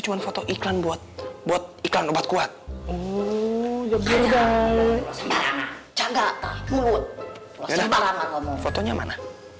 cuma foto iklan buat buat iklan obat kuat oh ya udah udah jangan jangan fotonya mana